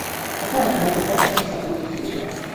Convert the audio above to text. Ez felhasználható parfümök és szappanok készítésére.